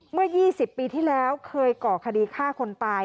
เมื่อ๒๐ปีที่แล้วเคยก่อคดีฆ่าคนตาย